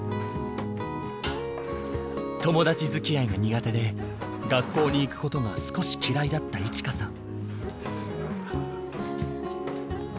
友達付き合いが苦手で学校に行くことが少し嫌いだった衣千華さん。